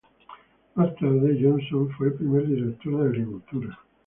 Más tarde Johnson fue el primer director de agricultura.